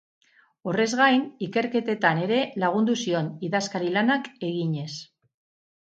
Horrez gain, ikerketetan ere lagundu zion, idazkari-lanak eginez.